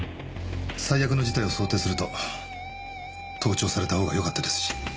最悪の事態を想定すると盗聴されたほうがよかったですし。